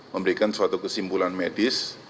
memberikan suatu kesimpulan medis